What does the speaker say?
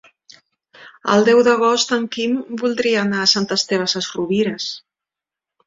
El deu d'agost en Quim voldria anar a Sant Esteve Sesrovires.